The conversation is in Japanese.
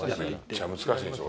めっちゃ難しいんでしょ？